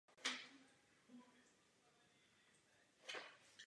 Vždy druhá epizoda v pořadí tedy byla uvedena až po půlnoci.